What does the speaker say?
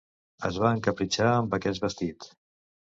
Es va encapritxar amb aquest vestit!